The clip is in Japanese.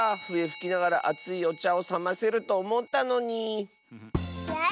ふえふきながらあついおちゃをさませるとおもったのに。